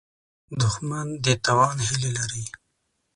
دښمن د تاوان هیله لري